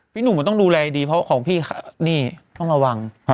พี่หนูมันต้องดูแลดีเพราะว่าของพี่ต้องระวัง